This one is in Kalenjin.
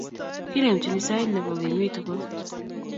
Kinempchini sait nebo kemi tugul